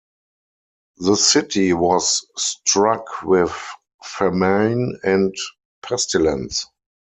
The city was struck with famine and pestilence.